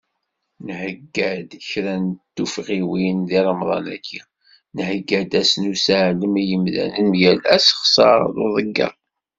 Nhegga-d kra n tufɣiwin, di Remḍa-agi, nhegga-d ass n useɛlem i yimdanen mgal asexser d uḍegger.